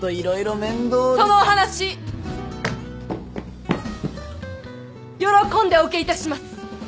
そのお話喜んでお受けいたします。